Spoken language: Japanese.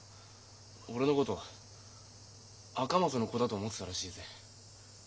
俺のこと赤松の子だと思ってたらしいぜ。